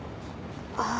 ああ。